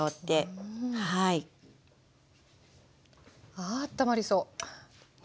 ああったまりそう。ね